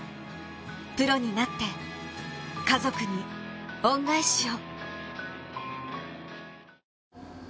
プロになって、家族に恩返しを。